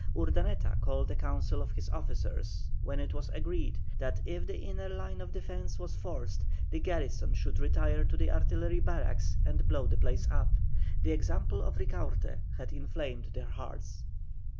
Urdaneta called a council of his officers, when it was agreed that if the inner line of defence was forced, the garrison should retire to the artillery barracks and blow the place up. The example of Ricaurte had enflamed their hearts.